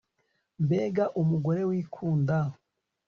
Mbega umugore wikunda